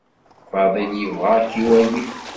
Faḍil yebɣa ad k-iwali.